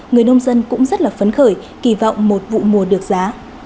người nông dân cũng rất là phấn khởi kỳ vọng một vụ mùa được giá